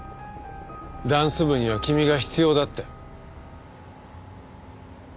ダンス部には君が必要だって。